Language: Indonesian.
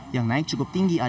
yang naik cukup tinggi